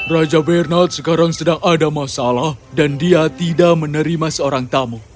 raja bernard sekarang sedang ada masalah dan dia tidak menerima seorang tamu